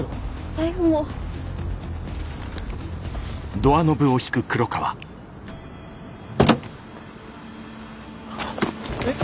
財布も。えっ？